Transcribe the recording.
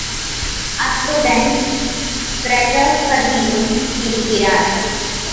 அத்துடன் பிரகஸ்பதியும் இருக்கிறார்.